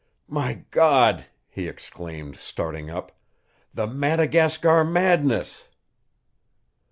"My God!" he exclaimed, starting up. "The Madagascar madness!"